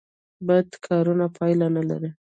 بد کارونه پایله نلري